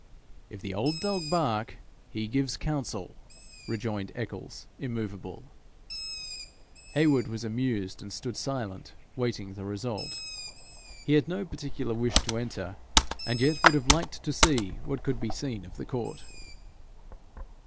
'If the old dog bark, he gives counsel,' rejoined Eccles, immovable. Heywood was amused, and stood silent, waiting the result. He had no particular wish to enter, and yet would have liked to see what could be seen of the court.